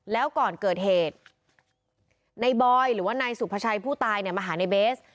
แล้วก่อนเกิดเหตุในบอยหรือว่านายสุภาชัยผู้ตายเนี่ยมาหาในเบส